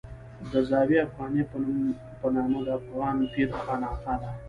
د زاویه افغانیه په نامه د افغان پیر خانقاه ده.